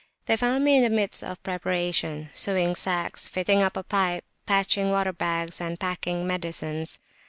They found me in the midst of preparations, sewing sacks, fitting up a pipe, patching water bags, and packing medicines.